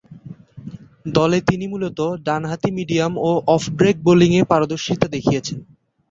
দলে তিনি মূলতঃ ডানহাতি মিডিয়াম ও অফ ব্রেক বোলিংয়ে পারদর্শিতা দেখিয়েছেন।